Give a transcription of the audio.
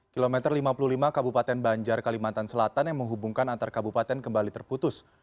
kilometer lima puluh lima kabupaten banjar kalimantan selatan yang menghubungkan antar kabupaten kembali terputus